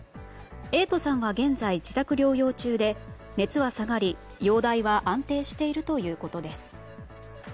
瑛人さんは現在、自宅療養中で熱は下がり、容体は安定しているということです。